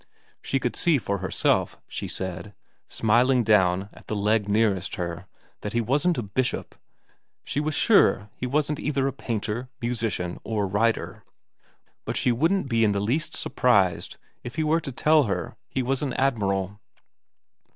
She could see for herself, she said, smiling down at the leg nearest her, that he wasn't a bishop, she was sure he wasn't either a painter, musician or writer, but she wouldn't be in the least surprised if he were to tell her he was an admiral.